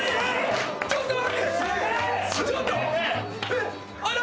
えっ？